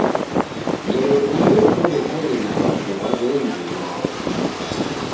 Ngelo iyo korekoghe na w'afungwa w'engi w'imanyikie.